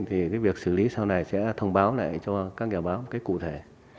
thì việc xử lý sau này sẽ thông báo lại cho các nhà báo cụ thể